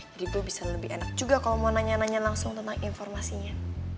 jadi gue bisa lebih enak juga kalo mau nanya nanya langsung tentang informasinya